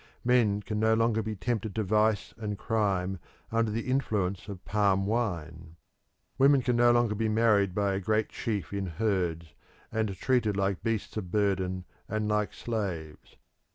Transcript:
Men can no longer be tempted to vice and crime under the influence of palm wine. Women can no longer be married by a great chief in herds, and treated like beasts of burden and like slaves.